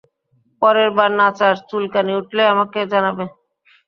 পরেরবার নাচার চুলকানি উঠলে আমাকে জানাবে।